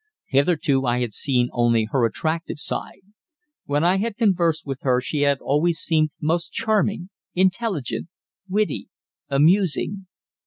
Hitherto I had seen only her attractive side. When I had conversed with her she had always seemed most charming intelligent, witty, amusing.